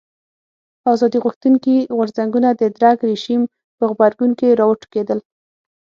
ازادي غوښتونکي غورځنګونه د درګ رژیم په غبرګون کې راوټوکېدل.